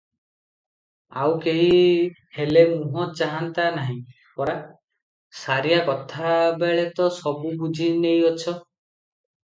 ଆଉ କେହି ହେଲେ ମୁହଁ ଚାହନ୍ତା ନାହିଁ ପରା?" ସାରିଆ କଥାବେଳେ ତ ସବୁ ବୁଝି ନେଇଅଛ!